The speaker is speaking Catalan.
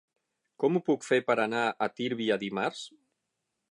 Com ho puc fer per anar a Tírvia dimarts?